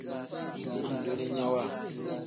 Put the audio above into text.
Andulinyawa.